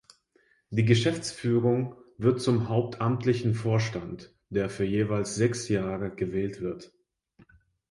Die Geschäftsführung wird zum hauptamtlichen Vorstand, der für jeweils sechs Jahre gewählt wird.